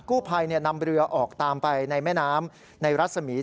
กู้ภัยนำเรือออกตามไปในแม่น้ำในรัศมีร์